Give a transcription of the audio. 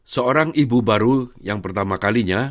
seorang ibu baru yang pertama kalinya